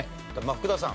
福田さん